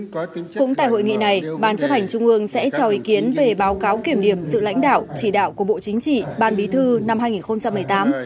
cũng tại hội nghị này ban chấp hành trung ương sẽ cho ý kiến về báo cáo kiểm điểm sự lãnh đạo chỉ đạo của bộ chính trị ban bí thư năm hai nghìn một mươi tám